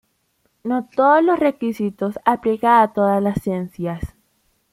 No todos los requisitos aplican a todas las ciencias.